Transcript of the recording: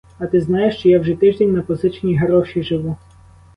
А ти знаєш, що я вже тиждень на позичені гроші живу?